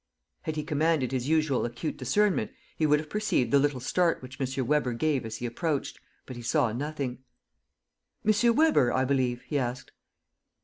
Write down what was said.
Had he commanded his usual acute discernment, he would have perceived the little start which M. Weber gave as he approached; but he saw nothing: "M. Weber, I believe?" he asked.